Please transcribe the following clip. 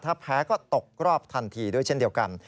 ถ้าแพ้ก็ตกรอบทันทีด้วยเช่นเดียวกัน